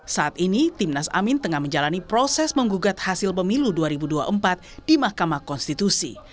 saat ini timnas amin tengah menjalani proses menggugat hasil pemilu dua ribu dua puluh empat di mahkamah konstitusi